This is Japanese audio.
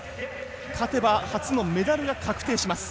勝てば初のメダルが確定します。